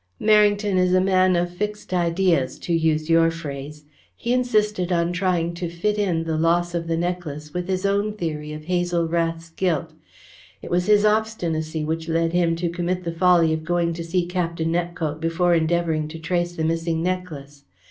"Merrington is a man of fixed ideas, to use your phrase. He insisted on trying to fit in the loss of the necklace with his own theory of Hazel Rath's guilt. It was his obstinacy which led him to commit the folly of going to see Captain Nepcote before endeavouring to trace the missing necklace.